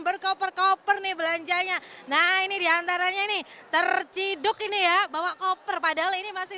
berkoper koper nih belanjanya nah ini diantaranya ini terciduk ini ya bawa koper padahal ini masih